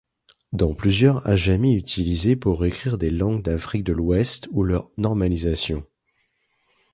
Dans plusieurs ajami utilisés pour écrire des langues d’Afrique de l’Ouest ou leurs normalisations.